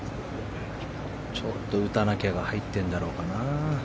ちょっと、打たなきゃが入ってるんだろうかな。